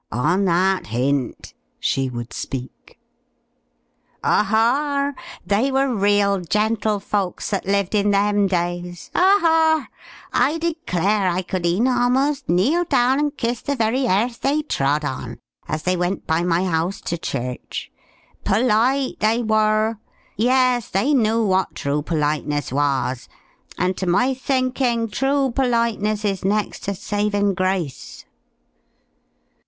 "On that hint" she would speak. "A haw awr! They were real gentle folks that lived in them days. A haw awr! I declare, I could e'en amost kneel down and kiss the very airth they trod on, as they went by my house to church. Polite, they wor! Yes, they knew what true politeness was; and to my thinking true politeness is next to saving grace."